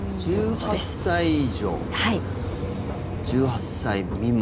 １８歳以上、１８歳未満。